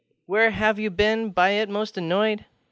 Where have you been by it most annoyed?